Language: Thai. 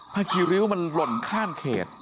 คีริ้วมันหล่นข้ามเขต